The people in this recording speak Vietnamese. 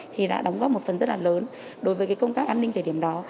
thì đã đóng góp một phần rất là lớn đối với công tác an ninh thời điểm đó